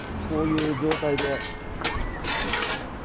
こういう状態で。